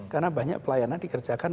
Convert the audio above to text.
karena banyak pelayanan dikerjakan